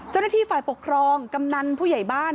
เจ้าหน้าที่ฝ่ายปกครองกำนันผู้ใหญ่บ้าน